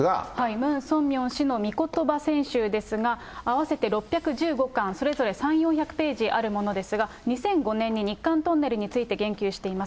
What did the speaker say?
ムン・ソンミョン氏の御言葉選集ですが、合わせて６１５巻、それぞれ３、４００ページあるものですが、２００５年に日韓トンネルについて言及しています。